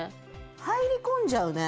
入り込んじゃうね。